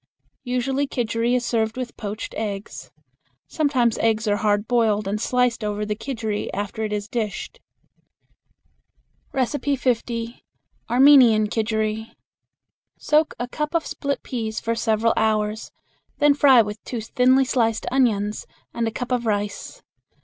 Usually kidgeri is served with poached eggs. Sometimes eggs are hard boiled and sliced over the kidgeri after it is dished. 50. Armenian Kidgeri. Soak a cup of split peas for several hours, then fry with two thinly sliced onions and a cup of rice.